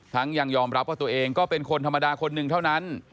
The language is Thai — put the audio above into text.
ยังยอมรับว่าตัวเองก็เป็นคนธรรมดาคนหนึ่งเท่านั้น